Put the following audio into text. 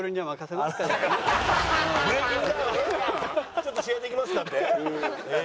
「ちょっと試合できますか？」って？